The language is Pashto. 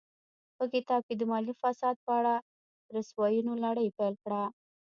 په کتاب کې د مالي فساد په اړه رسواینو لړۍ پیل کړه.